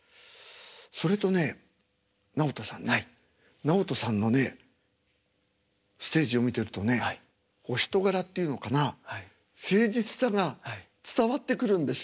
それとね直人さんね直人さんのねステージを見てるとねお人柄っていうのかな誠実さが伝わってくるんですよ。